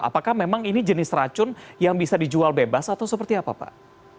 apakah memang ini jenis racun yang bisa dijual bebas atau seperti apa pak